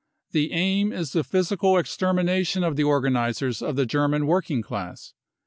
The aim is the physical extermination of the organisers of the German working class.